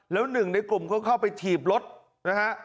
แล้วหนึ่งในกลุ่มก็เข้าไปถีบรถนะฮะ